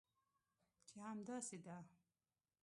چې همداسې ده؟